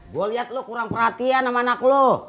gua liat lu kurang perhatian sama anak lu